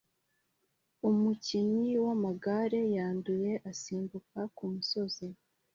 Umukinnyi wamagare yanduye asimbuka kumusozi